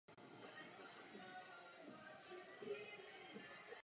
Ale samostatný hráč může dosáhnout větších levelů stejně dobře jako ve skupině.